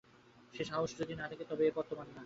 সে সাহস যদি না থাকে তবে এ পদ তােমার নহে।